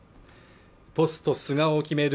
ポスト菅を決める